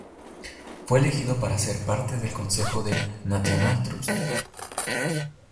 Fue elegido para ser parte del consejo del National Trust.